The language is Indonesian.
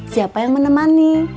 siapa yang menemani